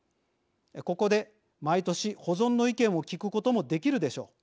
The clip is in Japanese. ここで毎年保存の意見を聞くこともできるでしょう。